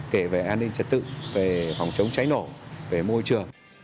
kể về an ninh trật tự về phòng chống cháy nổ về môi trường